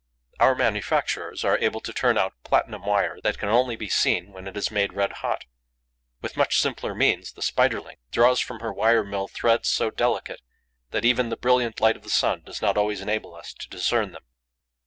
Our manufacturers are able to turn out platinum wire that can only be seen when it is made red hot. With much simpler means, the Spiderling draws from her wire mill threads so delicate that, even the brilliant light of the sun does not always enable us to discern them.